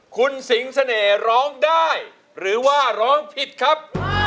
คุณสิงเสน่ห์ร้องได้หรือว่าร้องผิดครับ